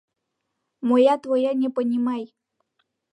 — Моя твоя не понимай...